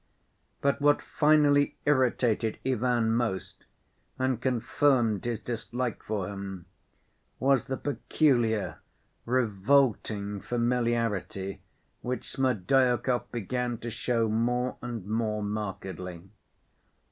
But what finally irritated Ivan most and confirmed his dislike for him was the peculiar, revolting familiarity which Smerdyakov began to show more and more markedly.